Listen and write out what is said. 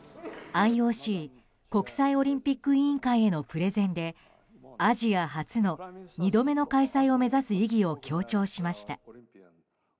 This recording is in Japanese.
ＩＯＣ・国際オリンピック委員会へのプレゼンでアジア初の２度目の開催を目指す意義を強調しました。